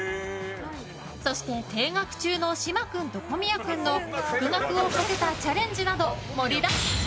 そして、停学中の島君と小宮君の復学をかけたチャレンジなど盛りだく。